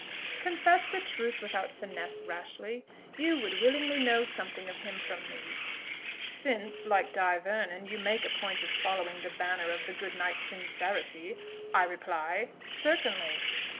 "Confess the truth without finesse, Rashleigh; you would willingly know something of him from me?" "Since, like Die Vernon, you make a point of following the banner of the good knight Sincerity, I reply certainly."